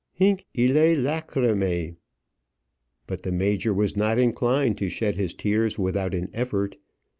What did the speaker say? "Hinc illæ lacrymæ." But the major was not inclined to shed his tears without an effort.